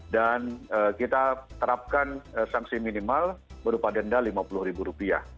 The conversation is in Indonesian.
dan kita terapkan sanksi minimal berupa denda rp lima puluh